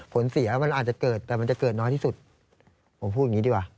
ผลเสียมันอาจจะเกิดแต่มันจะเกิดน้อยที่สุดผมพูดอย่างนี้ดีกว่า